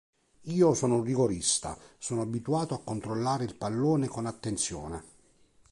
Io sono un rigorista, sono abituato a controllare il pallone con attenzione.